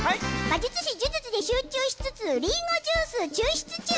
魔術師呪術に集中しつつりんごジュース抽出中！